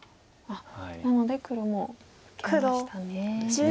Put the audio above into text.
なので黒も受けましたね。